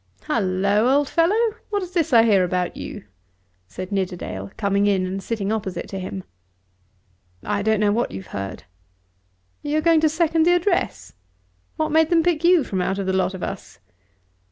"Halloa, old fellow, what is this I hear about you?" said Nidderdale, coming in and sitting opposite to him. "I don't know what you have heard." "You are going to second the address. What made them pick you out from the lot of us?"